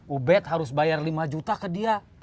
ubed harus bayar lima juta ke dia